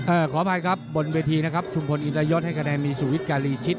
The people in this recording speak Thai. ขออภัยครับบนเวทีนะครับชุมพลอินรยศให้คะแนนมีสุวิทยการีชิด